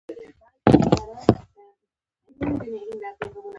ګلونه ټول بیلتون وسوزل